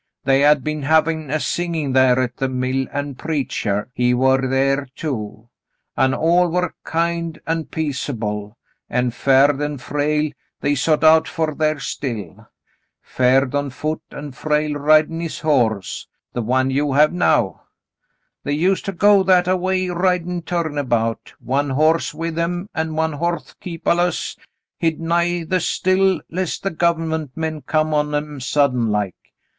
They had been havin' a singin' thar at the mill, an' preachah, he war thar too, an' all war kind an' peaceable; an' Ferd an' Frale, they sot out fer thar ' still '— Ferd on foot an' Frale rid'n' his horse — the one you have now — they used to go that a way, rid'n' turn about — one horse with them an' one horse kep' alluz hid nigh the * still ' lest the gov'nment men come on 'em suddent like.